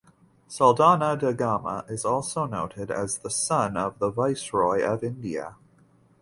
Saldanha da Gama is also noted as the son of the viceroy of India.